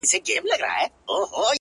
• د طبیعت په تقاضاوو کي یې دل و ول کړم؛